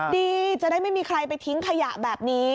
ดีจะได้ไม่มีใครไปทิ้งขยะแบบนี้